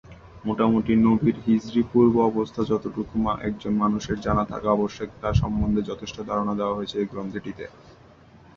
মোটামুটি নবীর হিজরি-পূর্ব অবস্থা যতটুকু একজন মানুষের জানা থাকা আবশ্যক তা সম্বন্ধে যথেষ্ট ধারণা দেয়া হয়েছে গ্রন্থটিতে।